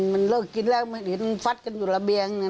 มันเลิกกินแล้วมันเห็นมันฟัดกันอยู่ระเบียง